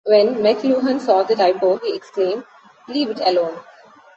When McLuhan saw the typo he exclaimed, 'Leave it alone!